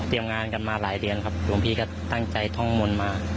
เตรียมงานกันมาหลายเดือนหลวงพี่ก็ตั้งใจท่องมนต์มา